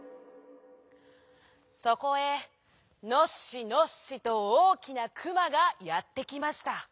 そこへのっしのっしとおおきなクマがやってきました。